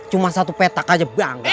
cuma satu petak aja bang